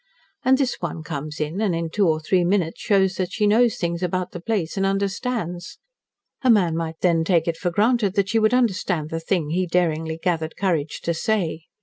And this one comes in, and in two or three minutes shows that she knows things about the place and understands. A man might then take it for granted that she would understand the thing he daringly gathered courage to say.